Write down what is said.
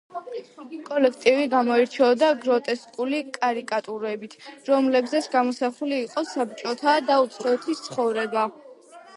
კოლექტივი გამოირჩეოდა გროტესკული კარიკატურებით, რომლებზეც გამოსახული იყო საბჭოთა და უცხოეთის ცხოვრება.